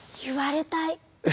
言われたい。